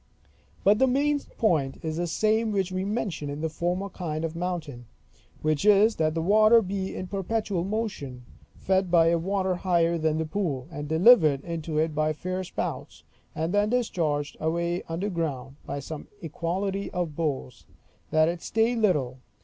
But the main point is the same which we mentioned in the former kind of fountain; which is, that the water be in perpetual motion, fed by a water higher than the pool, and delivered into it by fair spouts, and then discharged away under ground, by some equality of bores, that it stay little.